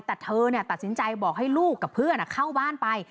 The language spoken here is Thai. แต่เธอตัดสินใจบอกให้ลูกกับเพื่อนเข้าบ้านไป